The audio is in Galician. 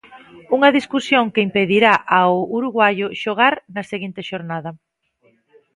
Unha discusión que impedirá ao uruguaio xogar na seguinte xornada.